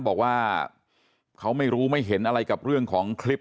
บอกว่าเขาไม่รู้ไม่เห็นอะไรกับเรื่องของคลิป